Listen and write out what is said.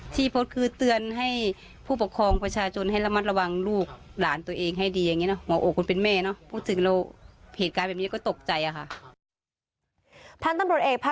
ที่เพราะคือเตือนให้ผู้ปกครองประชาชนให้ละมัดระวังลูกหลานตัวเองให้ดีอย่างนี้เนอะ